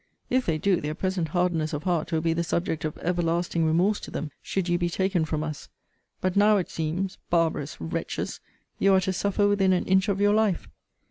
If they do, their present hardness of heart will be the subject of everlasting remorse to them should you be taken from us but now it seems [barbarous wretches!] you are to suffer within an inch of your life.